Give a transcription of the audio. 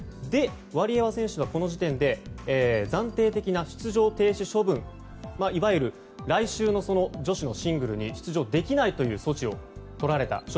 ワリエワ選手は、この時点で暫定的な出場停止処分いわゆる来週の女子のシングルに出場できないという措置をとられた。